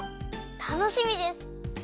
たのしみです！